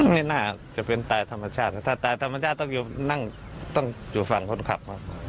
ไม่น่าจะเป็นตายธรรมชาติถ้าตายธรรมชาติต้องนั่งต้องอยู่ฝั่งคนขับ